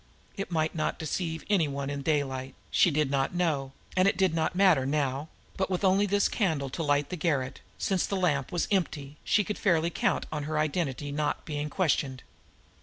It might not deceive any one in daylight she did not know, and it did not matter now but with only this candle to light the garret, since the lamp was empty, she could fairly count on her identity not being questioned.